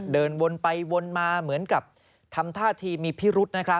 เดินวนไปวนมาเหมือนกับทำท่าทีมีพิรุษ